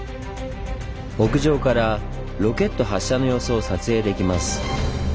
屋上からロケット発射の様子を撮影できます。